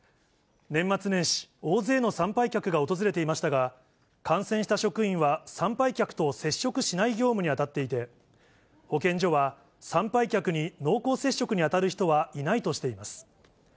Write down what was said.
年末年始、大勢の参拝客が訪れていましたが、感染した職員は参拝客と接触しない業務に当たっていて、保健所は、参拝客に濃厚接触に当たる人はいないとしています。